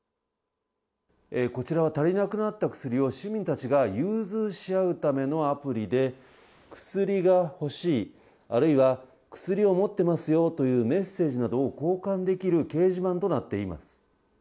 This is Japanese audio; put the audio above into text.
こちらは足りなくなった薬を市民たちが融通し合うためのアプリで、薬が欲しい、あるいは薬を持ってますよというメッセージなどを交換できる掲示板となっています。